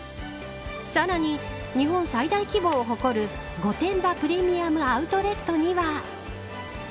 さらに、日本最大規模を誇る御殿場プレミアム・アウトレットには。